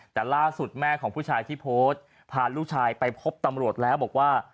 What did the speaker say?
แต่ล่าสุดแม่ของผู้ชายที่โพสต์พาลูกชายไปพบตำรวจแล้วบอกว่า